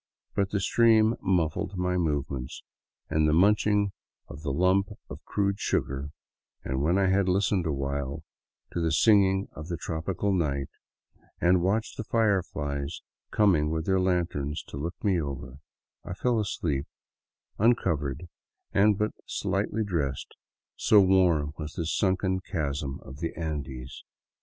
But the stream muffled my movements and the munching of the lump of crude sugar, and when I had listened awhile to the singing of the tropical night, and watched the fireflies coming with their lanterns to look me over, I fell asleep, uncovered and but slightly dressed, so warm was this sunken chasm of the Andes.